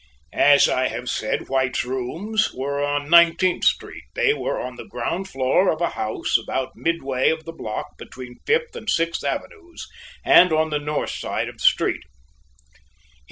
As I have said, White's rooms were on Nineteenth Street; they were on the ground floor of a house about midway of the block between Fifth and Sixth Avenues and on the north side of the street.